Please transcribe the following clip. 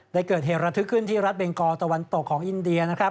ได้เกิดเหตุระทึกขึ้นที่รัฐเบงกอตะวันตกของอินเดียนะครับ